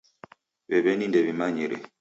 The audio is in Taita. W'ew'eni ndew'imanyire.